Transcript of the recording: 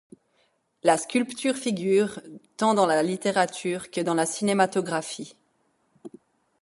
La sculpture figure tant dans la littérature que dans la cinématographie.